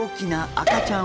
赤ちゃん？